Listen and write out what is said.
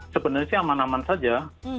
sebenarnya sih aman aman saja